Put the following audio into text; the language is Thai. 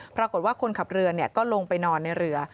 ปรากฏว่าคนขับเรือก็ลงไปนอนในเรือ